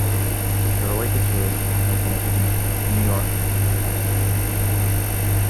The related shows "Crime and Punishment", "New York Undercover".